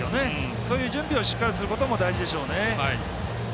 そういう準備をしっかりすることも大事でしょうね。